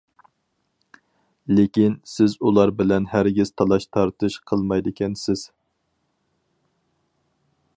لېكىن، سىز ئۇلار بىلەن ھەرگىز تالاش-تارتىش قىلمايدىكەنسىز.